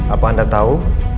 apa anda tahu